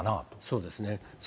そうですね。